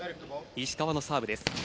石川のサーブです。